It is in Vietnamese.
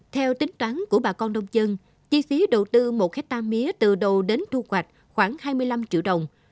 theo tính toán của bà con nông dân chi phí đầu tư một hectare mía từ đầu đến thu hoạch khoảng hai mươi năm triệu đồng